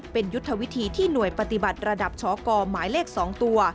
เป็นยุทธวิธีที่หน่วยปฏิบัติระดับชกหมายเลข๒ตัว